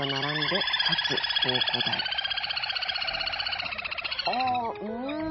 ちょっとこれ。